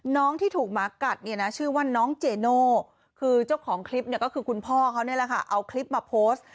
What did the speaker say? ที่ถูกหมากัดเนี่ยนะชื่อว่าน้องเจโน่คือเจ้าของคลิปเนี่ยก็คือคุณพ่อเขานี่แหละค่ะเอาคลิปมาโพสต์